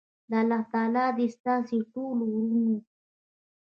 الله تعالی دی ستاسی ټولو ورونو